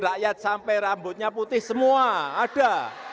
rakyat sampai rambutnya putih semua ada